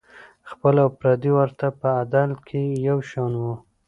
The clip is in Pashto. خپل او پردي ورته په عدل کې یو شان وو.